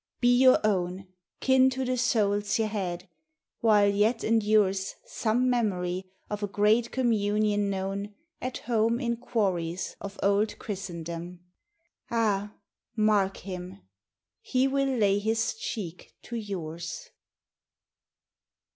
be your own, Kin to the souls ye had, while yet endures Some memory of a great communion known At home in quarries of old Christendom,— Ah, mark him: he will lay his cheek to yours.